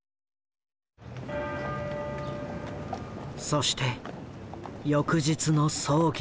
そして翌日の葬儀。